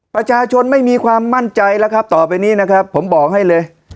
ประชาชนไม่มีความมั่นใจแล้วครับต่อไปนี้นะครับผมบอกให้เลย